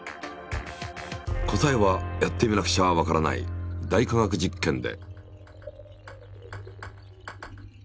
答えはやってみなくちゃわからない「大科学実験」で。